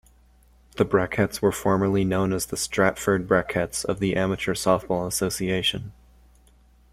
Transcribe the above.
The Brakettes were formerly known as the Stratford Brakettes of the Amateur Softball Association.